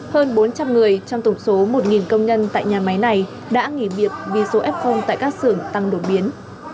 hơn bốn trăm linh người trong tổng số một công nhân tại nhà máy này đã nghỉ việc vì số f tại các xưởng tăng đột biến